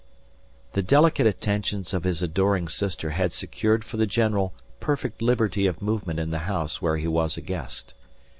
The delicate attentions of his adoring sister had secured for the general perfect liberty of movement in the house where he was a guest.